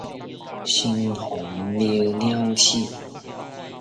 城隍廟鳥鼠